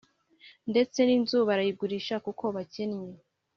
ndetse n’inzu barayigurisha kuko bakennye.